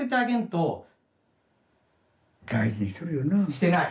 してない。